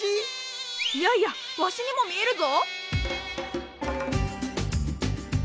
いやいやわしにも見えるぞ！